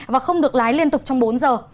và không được lái liên tục trong bốn giờ